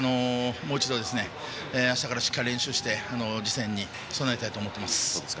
もう一度、あしたからしっかり練習して次戦に備えたいと思います。